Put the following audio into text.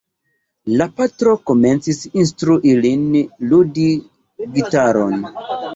La patro komencis instrui lin ludi gitaron.